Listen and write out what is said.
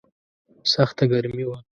سخته ګرمي وه.